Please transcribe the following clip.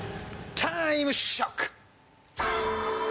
タイムショック！